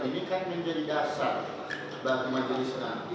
ini kan menjadi dasar bagi majelis nanti